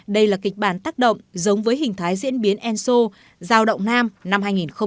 đây là kịch bản tác động giống với hình thái diễn biến enso giao động nam năm hai nghìn một mươi chín